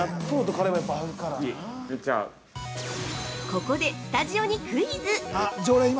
◆ここでスタジオにクイズ！